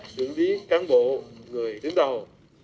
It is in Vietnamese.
dưỡng ví cán bộ người đứng đầu